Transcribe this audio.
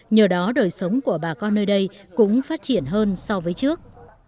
nhờ đó đời sống của bà con nơi đây cũng phát triển hơn so với trước